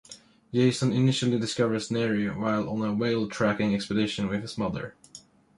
Jason initially discovers Neri while on a whale-tracking expedition with his mother.